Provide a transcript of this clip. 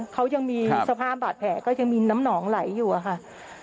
เขายังมีสภาพบาดแผลก็ยังมีน้ำหนองไหลอยู่อะค่ะ